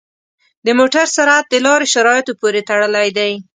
د موټر سرعت د لارې شرایطو پورې تړلی دی.